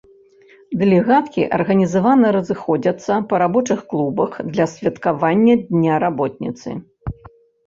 Дэлегаткі арганізавана разыходзяцца па рабочых клубах для святкавання дня работніцы.